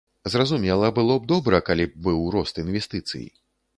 Зразумела, было б добра, калі б быў рост інвестыцый.